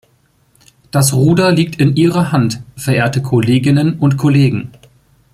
Das Ruder liegt in Ihrer Hand, verehrte Kolleginnen und Kollegen.